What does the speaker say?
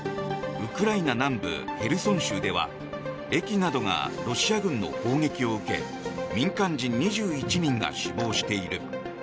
ウクライナ南部ヘルソン州では駅などがロシア軍の攻撃を受け民間人２１人が死亡している。